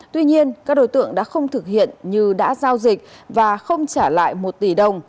tuy nhiên các đối tượng đã không thực hiện như đã giao dịch và không trả lại một tỷ đồng